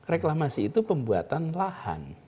reklamasi itu pembuatan lahan